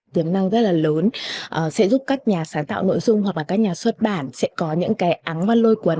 tiềm năng rất là lớn sẽ giúp các nhà sáng tạo nội dung hoặc là các nhà xuất bản sẽ có những cái áng văn lôi quấn